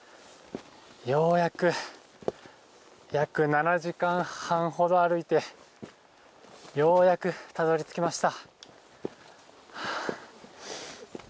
ようやく、約７時間半ほど歩いてようやくたどり着きました。